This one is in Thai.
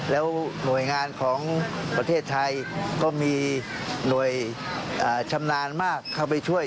แล้วหน่วยงานของประเทศไทยก็มีหน่วยชำนาญมากเข้าไปช่วย